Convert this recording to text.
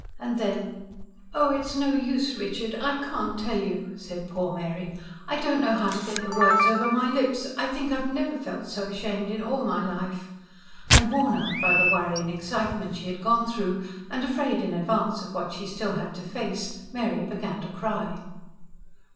And then "Oh, it's no use, Richard, I can't tell you!" said poor Mary. "I don't know how to get the words over my lips. I think I've never felt so ashamed in all my life." And, worn out by the worry and excitement she had gone through, and afraid, in advance, of what she had still to face, Mary began to cry.